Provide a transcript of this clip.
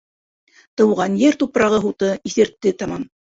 Тыуған ер тупрағы һуты иҫертте тамам.